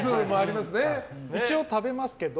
一応食べますけど。